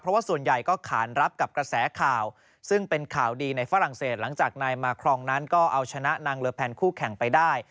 เพราะว่าส่วนใหญ่ก็ขานรับกับกระแสข่าวซึ่งเป็นข่าวดีในฝรั่งเศสหลังจากนายมาครองนั้นก็เอาชนะนางเลอแพนคู่แข่งไปได้